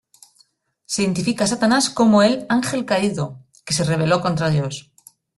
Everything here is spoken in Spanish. Se identifica a Satanás como el "Ángel caído", que se rebeló contra Dios.